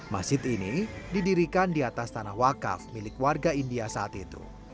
masjid ini didirikan di atas tanah wakaf milik warga india saat itu